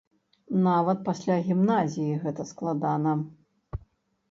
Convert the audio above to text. Нават пасля гімназіі гэта складана.